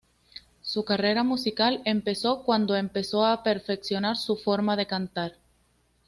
Su carrera musical empezó, cuando empezó a perfeccionar su forma de cantar.